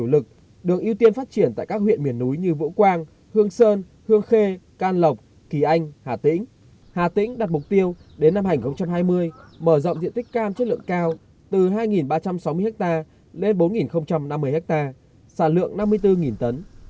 năm hai nghìn hai mươi mở rộng diện tích cam chất lượng cao từ hai ba trăm sáu mươi ha lên bốn năm mươi ha sản lượng năm mươi bốn tấn